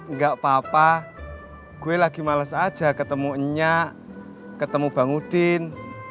nggak apa apa gue lagi males aja ketemunya ketemu bang udin